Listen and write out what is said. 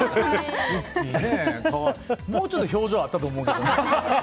もうちょっと表情あったと思うんですけど。